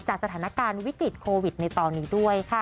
สถานการณ์วิกฤตโควิดในตอนนี้ด้วยค่ะ